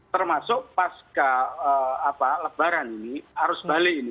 termasuk pas ke lebaran ini harus balik ini